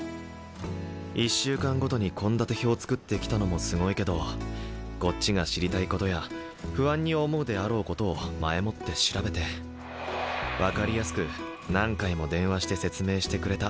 １週間ごとに献立表作ってきたのもすごいけどこっちが知りたいことや不安に思うであろうことを前もって調べて分かりやすく何回も電話して説明してくれた。